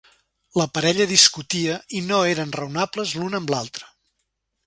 La parella discutia i no eren raonables l'un amb l'altre.